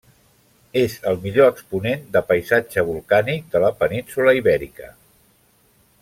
És el millor exponent de paisatge volcànic de la península Ibèrica.